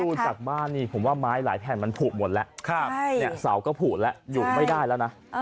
ดูจากบ้านนี่ผมว่าไม้หลายแผ่นมันผูกหมดแล้วเสาก็ผูแล้วอยู่ไม่ได้แล้วนะ